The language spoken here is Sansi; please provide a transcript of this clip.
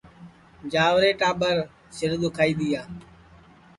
جاؤرے ٹاٻر سِر دُؔکھائی دؔیا